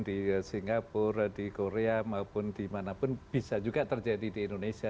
di singapura di korea maupun dimanapun bisa juga terjadi di indonesia